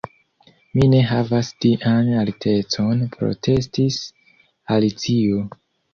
"Mi ne havas tian altecon," protestis Alicio.